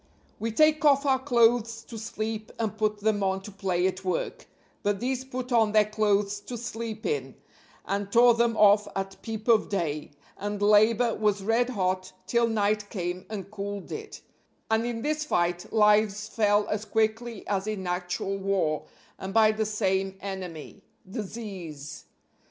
We take off our clothes to sleep and put them on to play at work, but these put on their clothes to sleep in, and tore them off at peep of day, and labor was red hot till night came and cooled it; and in this fight lives fell as quickly as in actual war, and by the same enemy Disease.